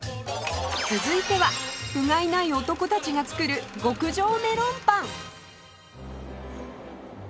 続いては不甲斐ない男たちが作る極上メロンパン